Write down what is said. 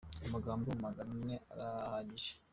Amagambo magana ane arahagije.